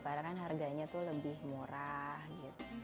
karena kan harganya tuh lebih murah gitu